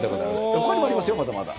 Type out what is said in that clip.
ほかにもありますよ、まだまだ。